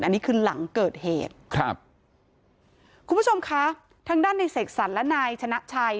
อันนี้คือหลังเกิดเหตุครับคุณผู้ชมคะทางด้านในเสกสรรและนายชนะชัย